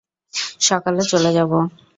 সকালে চলে যাব।